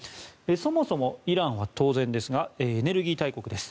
そもそもイランは当然ですがエネルギー大国です。